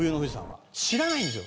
知らないんですよ